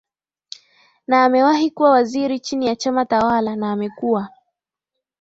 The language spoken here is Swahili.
na amewahi kuwa waziri chini ya chama tawala na amekuwa